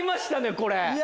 これ。